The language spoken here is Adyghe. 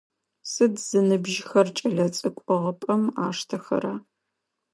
Сыд зыныбжьыхэр кӏэлэцӏыкӏу ӏыгъыпӏэм аштэхэра?